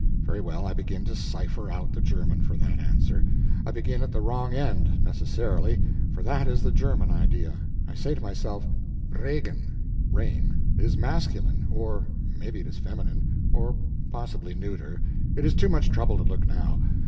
Very well, I begin to cipher out the German for that answer. I begin at the wrong end, necessarily, for that is the German idea. I say to myself, "REGEN (rain) is masculine or maybe it is feminine or possibly neuter it is too much trouble to look now.